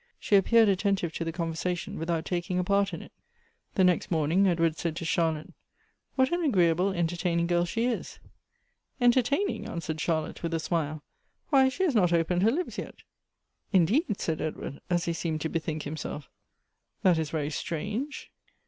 She appeared attentive to the conver sation, without taking a part in it. The next morning Edward said to Charlotte, "What an agreeable, entertaining girl she is !" "Entertaining!" answered Charlotte, with a smile; " why, she lias not opened her lips yet !"" Indeed !" s.iid Edward, as he seemed to bethink him self; " that is very strange."